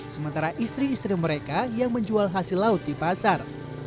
sementara istri istri mereka yang menjual hasil laut di pasar